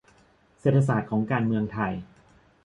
- เศรษฐศาสตร์ของการเมืองไทย